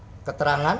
tidak bekerja sebagainya